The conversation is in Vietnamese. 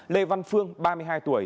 lê văn phương ba mươi hai tuổi